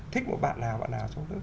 thích một bạn nào bạn nào trong lớp